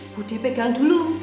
bu de pegang dulu